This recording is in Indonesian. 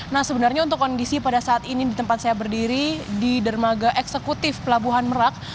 nah sebenarnya untuk kondisi pada saat ini di tempat saya berdiri di dermaga eksekutif pelabuhan merak